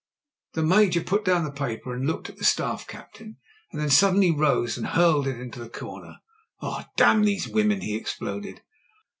'' The Major put down the paper and looked at the Staff captain ; then suddenly he rose and hurled it into the comer. "Oh, damn these women," he exploded.